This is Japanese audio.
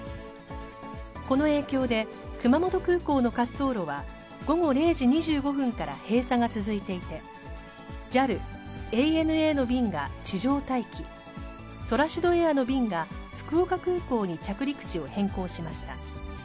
この影響で、熊本空港の滑走路は午後０時２５分から閉鎖が続いていて、ＪＡＬ、ＡＮＡの便が地上待機、ソラシドエアの便が福岡空港に着陸地を変更しました。